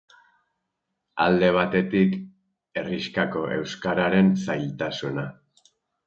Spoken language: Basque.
Alde batetik, herrixkako euskararen zailtasuna.